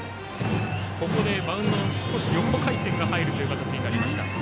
バウンド、少し横回転が入る形になりました。